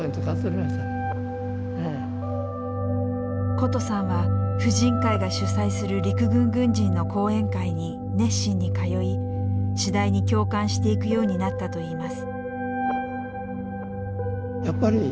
ことさんは婦人会が主催する陸軍軍人の講演会に熱心に通い次第に共感していくようになったといいます。